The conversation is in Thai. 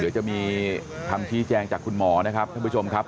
เดี๋ยวจะมีคำชี้แจงจากคุณหมอนะครับท่านผู้ชมครับ